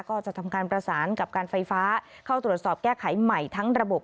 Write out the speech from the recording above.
ก็จะทำการประสานกับการไฟฟ้าเข้าตรวจสอบแก้ไขใหม่ทั้งระบบ